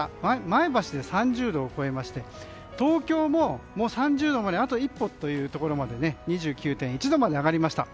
前橋で３０度を超えまして東京も３０度まであと一歩というところ２９．１度まで上がりました。